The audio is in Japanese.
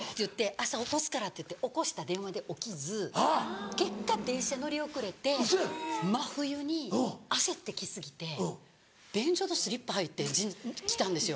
朝起こすからって言って起こした電話で起きず結果電車乗り遅れて真冬に焦って来過ぎて便所のスリッパ履いて来たんですよ。